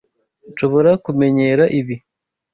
Nshobora kumenyera ibi.